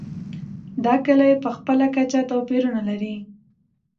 دا کلي په خپله کچه توپیرونه لري.